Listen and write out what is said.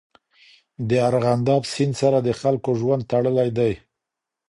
د ارغنداب سیند سره د خلکو ژوند تړلی دی.